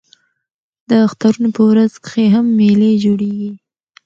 د اخترونو په ورځو کښي هم مېلې جوړېږي.